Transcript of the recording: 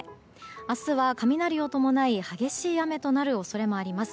明日は雷を伴い激しい雨となる恐れがあります。